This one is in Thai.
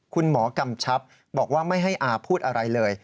กำชับบอกว่าไม่ให้อาพูดอะไรเลย